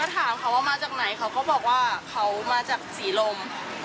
ถามเขาว่ามาจากไหนเขาก็บอกว่าเขามาจากศรีลม